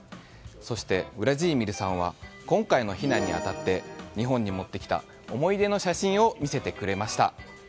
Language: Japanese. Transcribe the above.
そして、ウラジーミルさんは今回の避難に当たって日本に持ってきた思い出の写真を見せてくれました。